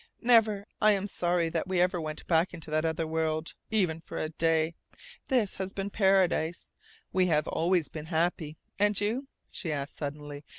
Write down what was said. "Never. I am sorry that we ever went back into that other world, even for a day. This has been paradise. We have always been happy. And you?" she asked suddenly.